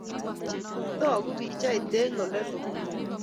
Toku pichait eng Ole loo